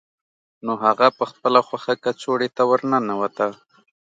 نو هغه په خپله خوښه کڅوړې ته ورننوته